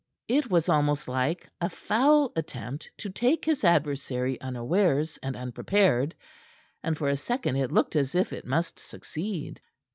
It was almost like a foul attempt to take his adversary unawares and unprepared, and for a second it looked as if it must succeed.